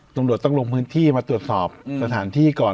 ตำรวจต้องลงพื้นที่มาตรวจสอบสถานที่ก่อน